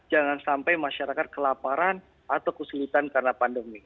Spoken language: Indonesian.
jangan sampai masyarakat kelaparan atau kesulitan karena pandemi